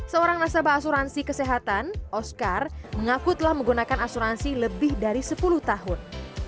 seorang nasabah asuransi kesehatan oscar mengaku telah menggunakan asuransi lebih dari sepuluh tahun